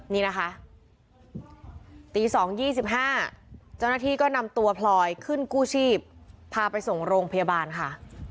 นี่นะคะตี๒๒๕เจ้าหน้าที่ก็นำตัวพลอยขึ้นกู้ชีพพาไปส่งโรงพยาบาลค่ะ